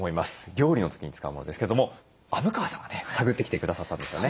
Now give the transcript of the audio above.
料理の時に使うものですけれども虻川さんがね探ってきてくださったんですよね。